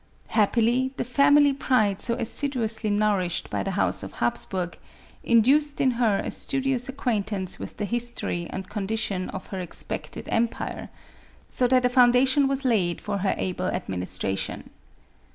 Happily, the family pride so assiduously nourished by the House of Hapsburgh, induced in her a studious acquaintance with the history and condition of her expected empire, so that a founda tion was laid for her able administration.